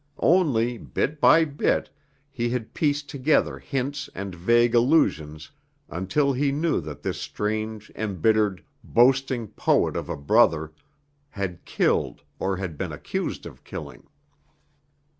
Only, bit by bit, he had pieced together hints and vague allusions until he knew that this strange, embittered, boasting poet of a brother had killed or had been accused of killing.